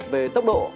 về tốc độ